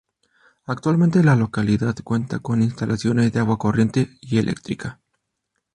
Actualmente, la localidad cuenta con instalaciones de agua corriente y electricidad.